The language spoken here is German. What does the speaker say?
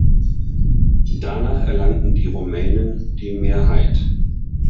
Danach erlangten die Rumänen die Mehrheit.